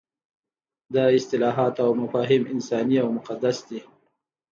دا اصطلاحات او مفاهیم انساني او مقدس دي.